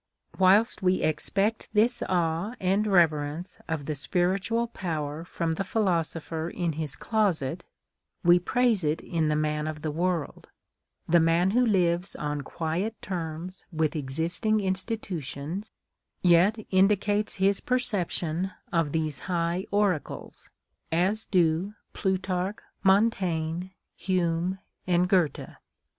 Whilst we expect this awe and reverence of the spiritual power from the philosopher in his closet, we praise it in the man of the world, — the man who lives on quiet terms with existing institutions, yet indicates his perception of these high oracles, as do Plutarch, Montaigne, Hume, and Goetlie.